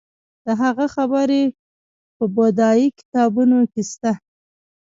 د هغه خبرې په بودايي کتابونو کې شته